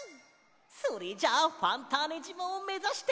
それじゃあファンターネじまをめざして。